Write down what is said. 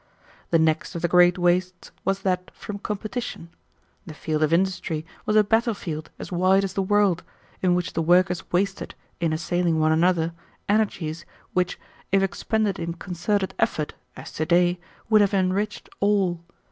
"The next of the great wastes was that from competition. The field of industry was a battlefield as wide as the world, in which the workers wasted, in assailing one another, energies which, if expended in concerted effort, as to day, would have enriched all.